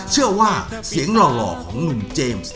เชื่อว่าเสียงหล่อของหนุ่มเจมส์